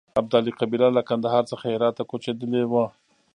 ابدالي قبیله له کندهار څخه هرات ته کوچېدلې وه.